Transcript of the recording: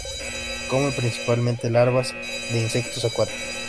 Come principalmente larvas de insectos acuáticos.